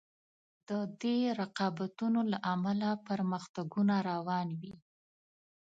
د دې رقابتونو له امله پرمختګونه روان وي.